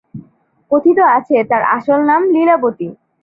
কথিত আছে তার আসল নাম লীলাবতী।